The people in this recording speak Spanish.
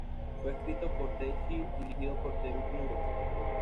Fue escrito por Dave Hill y dirigido por David Nutter.